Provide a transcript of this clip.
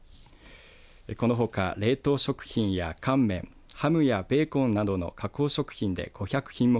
このほか冷凍食品や乾麺ハムやベーコンなどの加工食品で５００品目